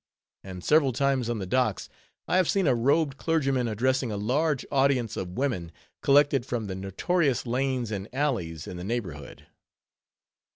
And several times on the docks, I have seen a robed clergyman addressing a large audience of women collected from the notorious lanes and alleys in the neighborhood.